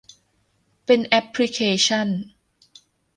เป็นแอปพลิเคชั่น